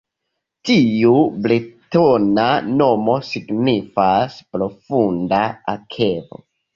Tiu bretona nomo signifas "profunda akvo".